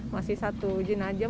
masih satu jenazah